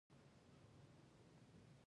د غسل کوټې هم هماغلته وې.